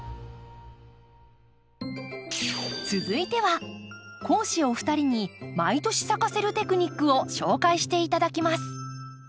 続いては講師お二人に毎年咲かせるテクニックを紹介して頂きます。